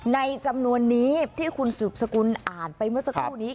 ในจำนวนนี้ที่คุณสืบสกุลอ่านไปเมื่อสักครู่นี้